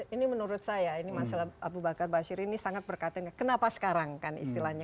ini menurut saya mas abubakar bashir ini sangat berkata kenapa sekarang istilahnya